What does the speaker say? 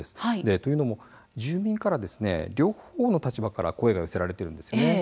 というのも住民からは両方の立場から声が寄せられているんです。